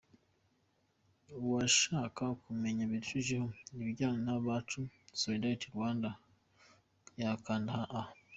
Uwashaka kumenya birushijeho ibijyanye na "Abacu-Solidarité-Rwanda" Yakanda Aha.